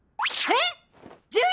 えっ！